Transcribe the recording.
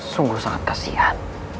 sungguh sangat kasihan